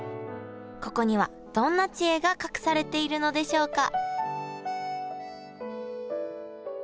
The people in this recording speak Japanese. ここにはどんな知恵が隠されているのでしょうか？